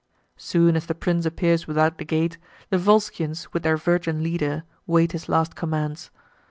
Soon as the prince appears without the gate, The Volscians, with their virgin leader, wait His last commands.